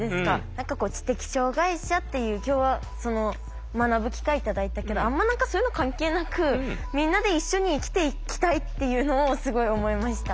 何かこう知的障害者っていう今日は学ぶ機会頂いたけどあんま何かそういうの関係なくみんなで一緒に生きていきたいっていうのをすごい思いました。